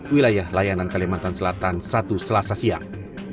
wilayah layanan kalimantan selatan satu selasa siang